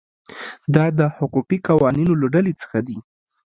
دا د حقوقي قوانینو له ډلې څخه دي.